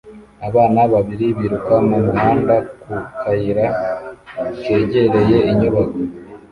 Abana babiri biruka mu muhanda ku kayira kegereye inyubako